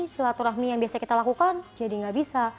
silaturahmi yang biasa kita lakukan jadi nggak bisa